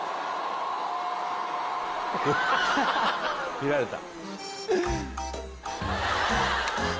見られた。